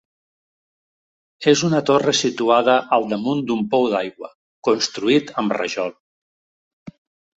És una torre situada al damunt d'un pou d'aigua, construït amb rajol.